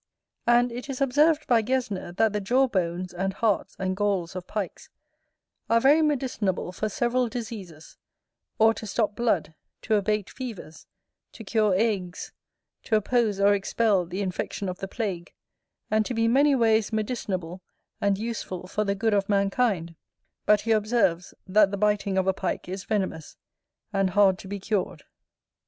And it is observed by Gesner, that the jaw bones, and hearts, and galls of Pikes, are very medicinable for several diseases, or to stop blood, to abate fevers, to cure agues, to oppose or expel the infection of the plague, and to be many ways medicinable and useful for the good of mankind: but he observes, that the biting of a Pike is venomous, and hard to be cured.